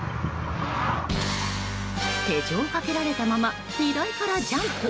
手錠をかけられたまま荷台からジャンプ。